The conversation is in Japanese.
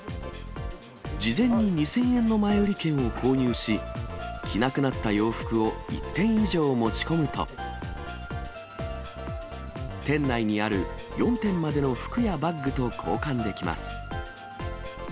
事前に２０００円の前売券を購入し、着なくなった洋服を１点以上持ち込むと、店内にある４点までの服やバッグと交換できます。